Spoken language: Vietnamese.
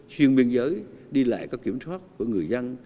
xuyên biên giới đi lại có kiểm soát của người dân